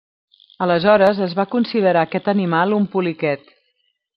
Aleshores es va considerar aquest animal un poliquet.